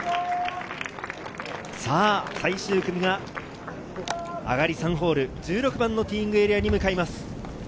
最終組が上がり３ホール、１６番のティーイングエリアに向かいます。